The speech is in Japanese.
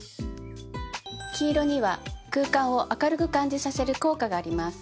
黄色には空間を明るく感じさせる効果があります。